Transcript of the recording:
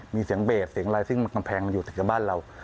มีเสียงเบสเสียงอะไรซึ่งกำแพงมันอยู่แต่บ้านเรา